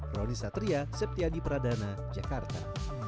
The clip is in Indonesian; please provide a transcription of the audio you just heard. roni satria septiadi pradana jakarta